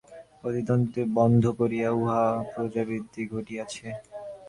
প্রতিদ্বন্দ্বিতা বন্ধ করিয়া উহা প্রজাবৃদ্ধি ঘটাইয়াছে।